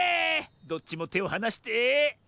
どっちもてをはなして。